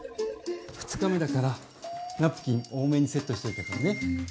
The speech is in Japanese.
２日目だからナプキン多めにセットしといたからね。